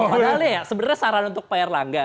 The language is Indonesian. padahal ya sebenarnya saran untuk pak erlangga